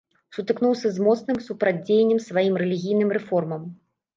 Сутыкнуўся з моцным супрацьдзеяннем сваім рэлігійным рэформам.